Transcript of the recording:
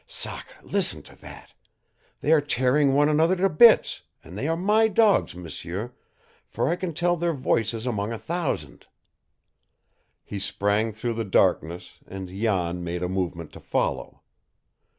Sacre, listen to that! They are tearing one another to bits, and they are MY dogs, m'sieur, for I can tell their voices among a thousand!" He sprang through the darkness and Jan made a movement to follow.